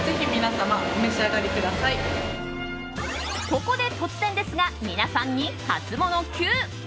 ここで突然ですが皆さんにハツモノＱ。